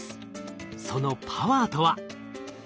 そのパワーとは？